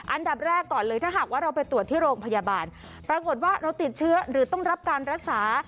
อันดับแรกก่อนเลยถ้าหากว่าเราไปตรวจที่โรงพยาบาลปรากฏว่าเราติดเชื้อหรือต้องรับการรักษา